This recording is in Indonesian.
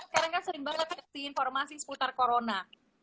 karena kan sekarang sering banget di informasi seputar corona